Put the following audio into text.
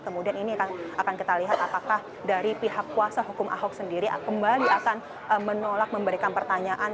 kemudian ini akan kita lihat apakah dari pihak kuasa hukum ahok sendiri kembali akan menolak memberikan pertanyaan